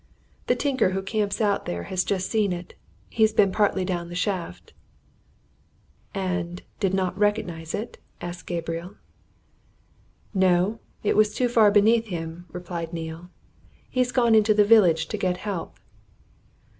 The tinker who camps out there has just seen it he's been partly down the shaft." "And did not recognize it?" asked Gabriel. "No it was too far beneath him," replied Neale. "He's gone into the village to get help."